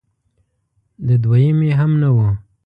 د دویمې هم نه و